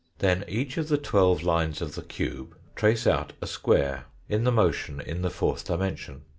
Then each of the twelve lines of the cube trace out a square in the motion in the fourth dimension.